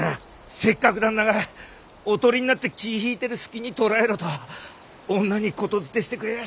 せっかく旦那がおとりになって気ぃ引いてる隙に捕らえろと女に言伝してくれやしたのに。